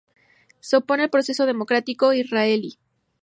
Se opone al proceso democrático israelí.